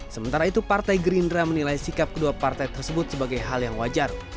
sementara itu partai gerindra menilai sikap kedua partai tersebut sebagai hal yang wajar